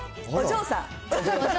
お嬢さん。